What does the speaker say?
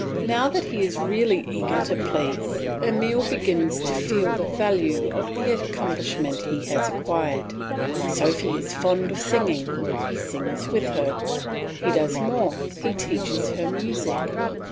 Now that he is really eager to please, Emile begins to feel the value of the accomplishments he has acquired. Sophy is fond of singing, he sings with her; he does more, he teaches her music.